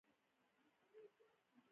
په همدغه اختر کې د یوې عجیبې پېښې شاهد وم.